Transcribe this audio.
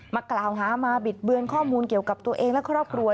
มากล่าวหามาบิดเบือนข้อมูลเกี่ยวกับตัวเองและครอบครัว